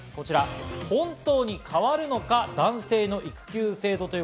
本当に変わるのか、男性の育休制度です。